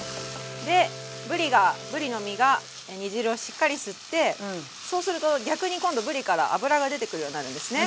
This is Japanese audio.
でぶりがぶりの身が煮汁をしっかり吸ってそうすると逆に今度ぶりから脂が出てくるようになるんですね。